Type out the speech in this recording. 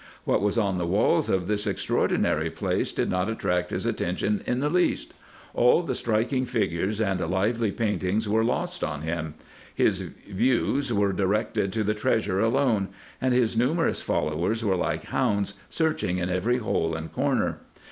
What was on the walls of this ex traordinary place did not attract his attention in the least ; all the striking figures and lively paintings were lost on him ; his views were directed to the treasure alone; and his numerous followers were like hounds, searching in every hole and corner.